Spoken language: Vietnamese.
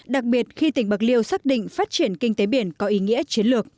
đặc biệt khi tỉnh bạc liêu xác định phát triển kinh tế biển có ý nghĩa chiến lược